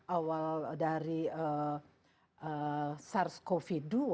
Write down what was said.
awal dari sars cov dua